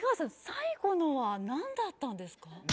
最後のは何だったんですか？